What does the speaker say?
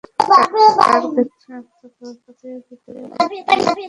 টার্গেটকে সনাক্ত করতে ভিতরে যেতে হবে না, স্যার?